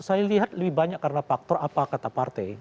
saya lihat lebih banyak karena faktor apa kata partai